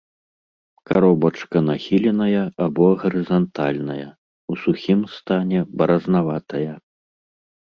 Каробачка нахіленая або гарызантальная, у сухім стане баразнаватая.